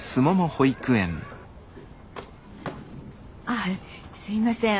あっすいません